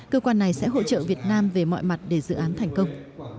cơ quan này sẽ hỗ trợ việt nam về mọi mặt để dự án thành công